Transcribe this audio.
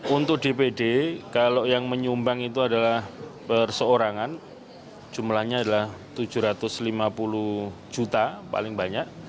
untuk dpd kalau yang menyumbang itu adalah perseorangan jumlahnya adalah tujuh ratus lima puluh juta paling banyak